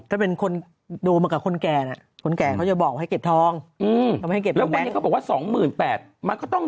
ถ้าเป็นคนโดมันกับคนแก่นเขาจะบอกว่าให้เก็บทอง๑๒หมื่นแปดมันก็ต้องเด้น